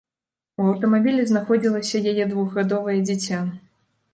У аўтамабілі знаходзілася яе двухгадовае дзіця.